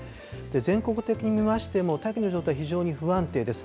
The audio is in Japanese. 全国的に見ましても、大気の状態非常に不安定です。